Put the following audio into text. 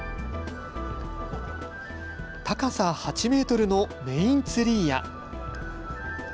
高さ８メートルのメインツリーや。